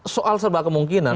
soal serba kemungkinan